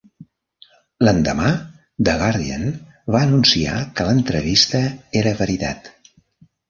L'endemà "The Guardian" va anunciar que l'entrevista era veritat.